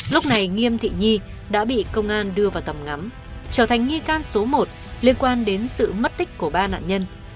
lúc này nghiêm thị nhi đã bị công an đưa vào tầm ngắm trở thành nghi can số một liên quan đến sự mất tích của ba nạn nhân